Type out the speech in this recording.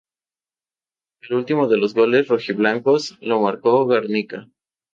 El último de los goles "rojiblancos" lo marcó Garnica.